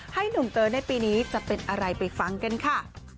หนุ่มเตยในปีนี้จะเป็นอะไรไปฟังกันค่ะ